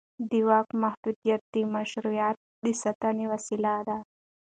د واک محدودیت د مشروعیت د ساتنې وسیله ده